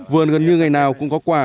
vườn gần như ngày nào cũng có quả